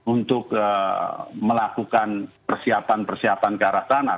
untuk melakukan persiapan persiapan ke arah sana